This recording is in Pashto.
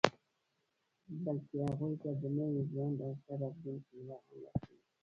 بلکې هغوی ته د نوي ژوند او ښه راتلونکي هیله هم ورکوي